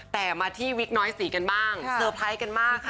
แต่มาที่วิกน้อยสีกันบ้างเซอร์ไพรส์กันมากค่ะ